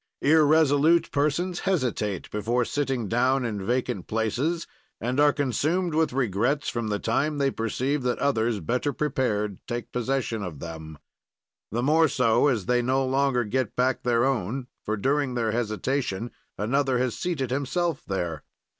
"Irresolute persons hesitate before sitting down in vacant places and are consumed with regrets from the time they perceive that others, better prepared, take possession of them; the more so as they no longer get back their own, for, during their hesitation, another has seated, himself there.